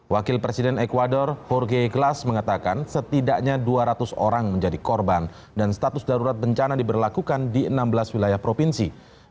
wakil presiden ecuador jorgei glas mengatakan setidaknya dua ratus orang menjadi korban dan status darurat bencana diberlakukan di enam belas wilayah provinsi